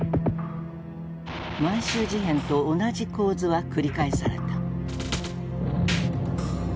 満州事変と同じ構図は繰り返された。